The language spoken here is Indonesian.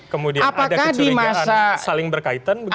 kemudian ada kecurigaan saling berkaitan